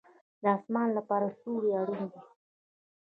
د اسمان لپاره ستوري اړین دي